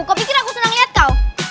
kau pikir aku senang lihat kau